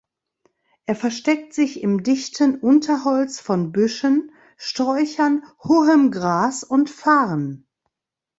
Er versteckt sich im dichten Unterholz von Büschen, Sträuchern, hohem Gras und Farn.